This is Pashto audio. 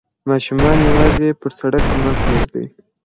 ماشومان یوازې پر سړک مه پریږدئ.